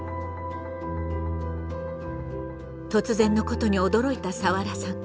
突然のことに驚いたサワラさん。